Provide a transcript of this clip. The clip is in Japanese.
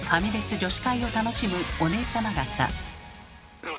女子会を楽しむおねえ様方。